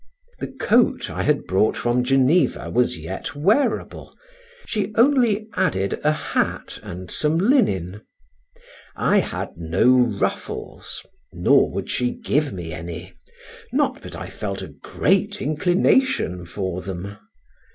The coat I had brought from Geneva was yet wearable, she only added a hat and some linen. I had no ruffles, nor would she give me any, not but I felt a great inclination for them.